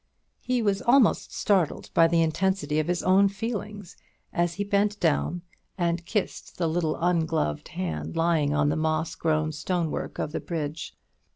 He was almost startled by the intensity of his own feelings, as he bent down and kissed the little ungloved hand lying on the moss grown stonework of the bridge.